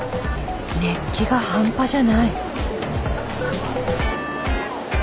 熱気が半端じゃない。